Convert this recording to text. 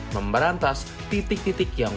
memberantas titik titik yang